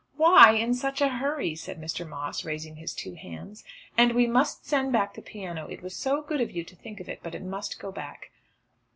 "Why in such a hurry?" said Mr. Moss raising his two hands. "And we must send back the piano. It was so good of you to think of it! But it must go back."